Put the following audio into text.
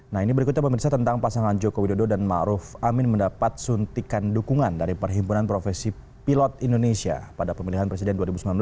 nah ini berikutnya pemirsa tentang pasangan joko widodo dan ⁇ maruf ⁇ amin mendapat suntikan dukungan dari perhimpunan profesi pilot indonesia pada pemilihan presiden dua ribu sembilan belas